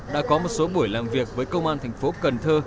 đã có một số buổi làm việc với công an thành phố cần thơ